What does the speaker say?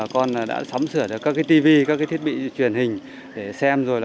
cũng sửa được các cái tivi các cái thiết bị truyền hình để xem rồi